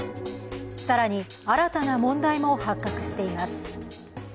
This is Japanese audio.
更に新たな問題も発覚しています。